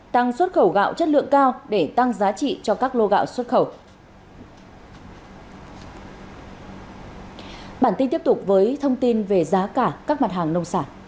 tăng xuất khẩu gạo chất lượng cao để tăng giá trị cho các lô gạo xuất khẩu